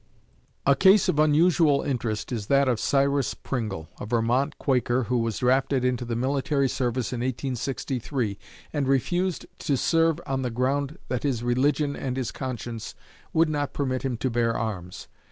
A case of unusual interest is that of Cyrus Pringle, a Vermont Quaker who was drafted into the military service in 1863, and refused to serve on the ground that his religion and his conscience would not permit him to bear arms.